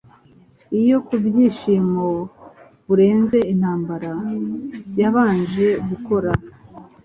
Iyo kubyishimo burenze Intambara yabanje gukora